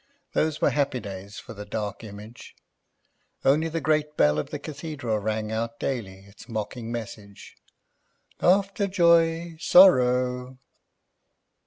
Those were happy days for the Dark Image. Only the great bell of the Cathedral rang out daily its mocking message, "After joy ... sorrow."